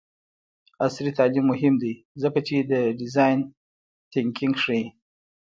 عصري تعلیم مهم دی ځکه چې د ډیزاین تنکینګ ښيي.